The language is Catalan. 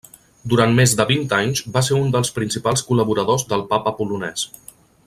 Durant més de vint anys va ser un dels principals col·laboradors del Papa polonès.